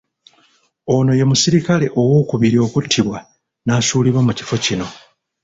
Ono ye musirikale owookubiri okuttibwa n'asuulibwa mu kifo kino.